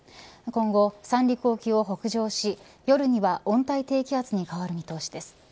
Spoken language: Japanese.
今後、三陸沖を北上し夜には温帯低気圧に変わる見通しです。